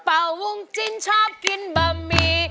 เป่าวงจิ้นชอบกินบะหมี่